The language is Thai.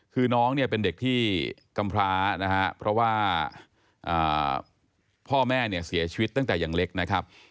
คือน้องเนี่ยเป็นเด็กที่กำพร้านะฮะเพราะว่าพ่อแม่เนี่ยเสียชีวิตตั้งแต่ยังเล็กนะครับ